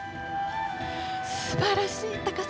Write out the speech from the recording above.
素晴らしい高さ。